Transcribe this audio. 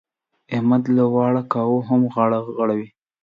احمد له واړه کاره هم غاړه غړوي.